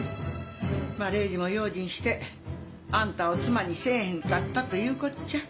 まぁ礼司も用心してあんたを妻にせえへんかったというこっちゃ。